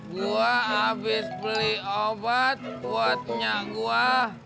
gue abis beli obat buat punya gue